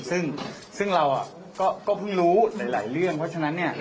ซึ่งเราก็เพิ่งรู้หลายเรื่อง